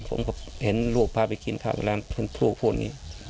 ผมเห็นลูกพาไปกินขับเวลาพ่อพลูกพูดอย่างนี้